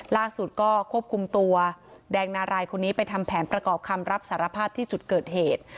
ล่าสุดก็ควบคุมตัวแดงนารายคนนี้ไปทำแผนประกอบคำรับสารภาพที่จุดเกิดเหตุ